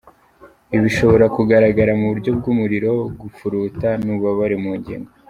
Ibi bishobora kugaragara mu buryo bw'umuriro, gupfuruta n'ububabare mu ngingo.